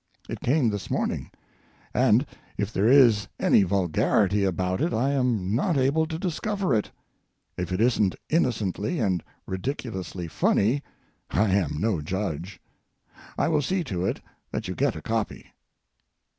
It came this morning, and if there is any vulgarity about it I am not able to discover it. If it isn't innocently and ridiculously funny, I am no judge. I will see to it that you get a copy.